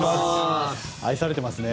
愛されてますね。